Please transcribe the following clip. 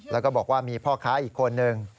แล้วก็บอกว่ามีพ่อค้าอีกคนนึง